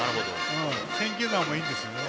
選球眼もいいんです。